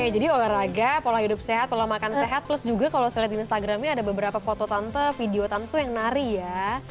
oke jadi olahraga pola hidup sehat pola makan sehat plus juga kalau saya lihat di instagramnya ada beberapa foto tante video tante tuh yang nari ya